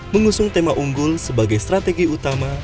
mengusung tema unggul sebagai strategi utama